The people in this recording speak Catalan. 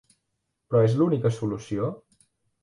Però és l'única solució?